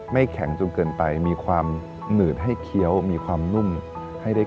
ในแต่คุณแม่หน่อยร้านนี้เปิดหลังจากพี่ปีแหละ